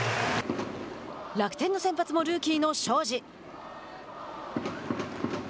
楽天の先発もルーキーの荘司。